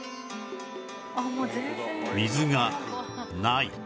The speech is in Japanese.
水がない